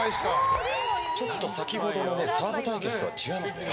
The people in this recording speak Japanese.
ちょっと先ほどのサーブ対決とは違いますね。